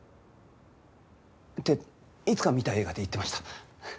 っていつか見た映画で言ってました。